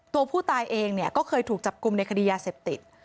ตัวผู้ตายเองเนี่ยก็เคยถูกจับกลุ่มในคดียาเสพติด